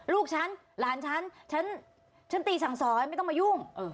ลูกฉันหลานฉันฉันตีสั่งสอนไม่ต้องมายุ่ง